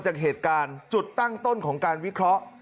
จากเหตุการณ์จุดตั้งต้นของการวิเคราะห์